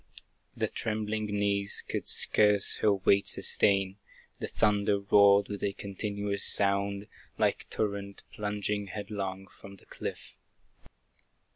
Her trembling knees could scarce her weight sustain; The thunder roared with a continuous sound, Like torrent, plunging headlong from the cliff.